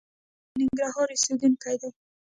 ميررحمان د ننګرهار اوسيدونکی دی.